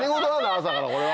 朝からこれは。